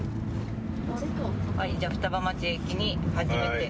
はいじゃあ双葉町駅に初めて。